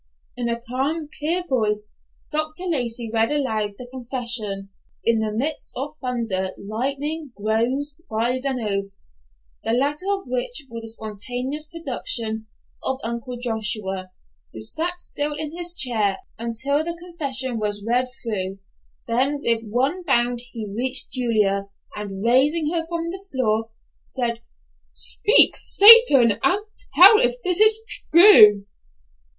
In a calm, clear voice, Dr. Lacey read aloud the confession, in the midst of thunder, lightning, groans, cries and oaths, the latter of which were the spontaneous production of Uncle Joshua, who sat still in his chair until the confession was read through; then with one bound he reached Julia, and raising her from the floor, said, "Speak, Satan, and tell if this is true!"